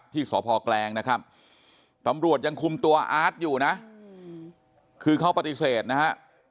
ที่สพแกลงนะครับตำรวจยังคุมตัวอาร์ตอยู่นะคือเขาปฏิเสธนะฮะ